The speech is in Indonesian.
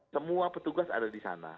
semua petugas ada di sana